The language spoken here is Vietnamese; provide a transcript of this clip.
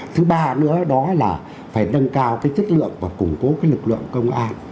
thứ ba nữa đó là phải nâng cao cái chất lượng và củng cố cái lực lượng công an